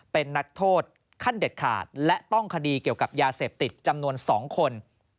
เป็นนักโทษขั้นเด็ดขาดและต้องคดีเกี่ยวกับยาเสพติดจำนวน๒คน